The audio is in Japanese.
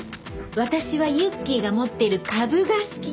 私はユッキーが持ってる株が好き。